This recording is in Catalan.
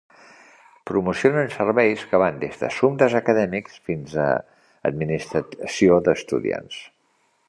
Proporcionen serveis que van des d'assumptes acadèmics fins a administració d'estudiants.